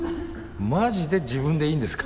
マジで自分でいいんですか？